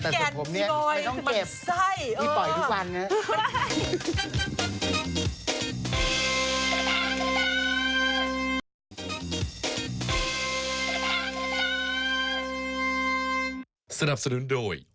สักครู่เดียวแต่ส่วนผมเนี่ย